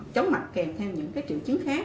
chóng mặt kèm thêm những triệu chứng khác